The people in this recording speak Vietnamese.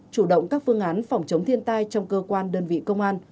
chủ động các phương án phòng chống thiên tai trong cơ quan đơn vị công an